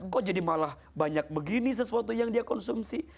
kok jadi malah banyak begini sesuatu yang dia konsumsi